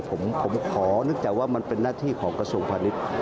ผมขอนึกจากว่ามันเป็นหน้าที่ของกระทรวงพาณิชย์